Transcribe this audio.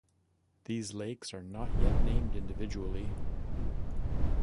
These lakes are not yet named individually.